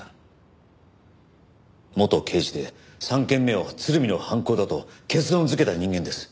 元刑事で３件目を鶴見の犯行だと結論づけた人間です。